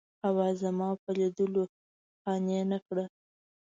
حوا زما په دلیلونو قانع نه کړه.